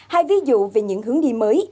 hai ví dụ về những hướng đi mới